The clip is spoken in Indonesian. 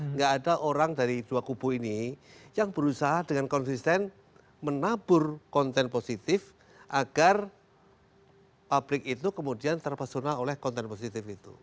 nggak ada orang dari dua kubu ini yang berusaha dengan konsisten menabur konten positif agar publik itu kemudian terpesona oleh konten positif itu